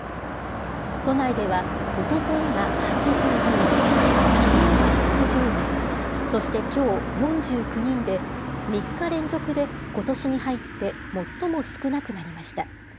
都内では、おとといが８２人、きのうは６０人、そしてきょう４９人で、３日連続で、ことしに入って最も少なくなりました。